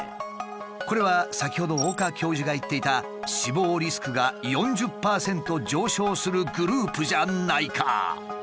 これは先ほど岡教授が言っていた死亡リスクが４０％上昇するグループじゃないか！？